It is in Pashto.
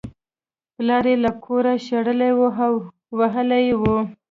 پلار یې له کوره شړلی و او وهلی یې و